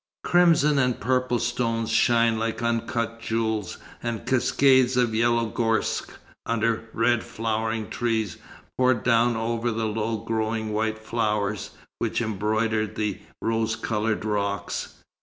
Crimson and purple stones shine like uncut jewels, and cascades of yellow gorse, under red flowering trees, pour down over low growing white flowers, which embroider the rose coloured rocks.